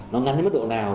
nó ngắn đến mức độ nào